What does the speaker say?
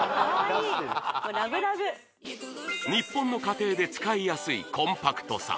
もうラブラブ日本の家庭で使いやすいコンパクトさ